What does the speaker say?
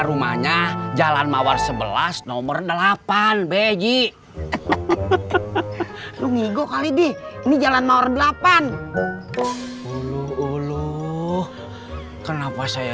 rumahnya jalan mawar sebelas nomor delapan beji lu ngigo kali di ini jalan mawar delapan ulu ulu kenapa saya